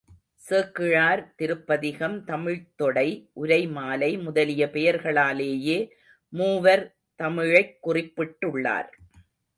சேக்கிழார், திருப்பதிகம், தமிழ்த்தொடை, உரைமாலை முதலிய பெயர்களாலேயே மூவர் தமிழைக் குறிப்பிட்டுள்ளார்.